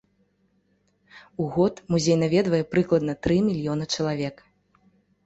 У год музей наведвае прыкладна тры мільёна чалавек.